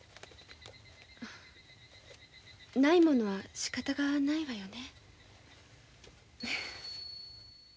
ないものはしかたがないわよね。